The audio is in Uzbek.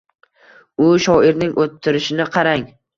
U shoirning o‘tirishini qarang